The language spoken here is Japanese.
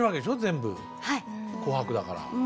全部「紅白」だから。